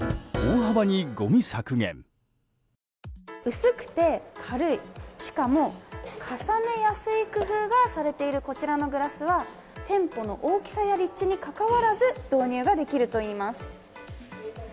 薄くて軽い、しかも重ねやすい工夫がされているこちらのグラスは店舗の大きさや立地にかかわらず導入ができるといいます。